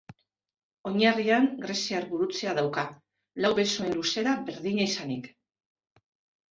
Oinarrian greziar gurutzea dauka, lau besoen luzera berdina izanik.